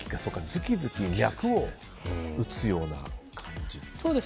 ズキズキ脈を打つような感じ？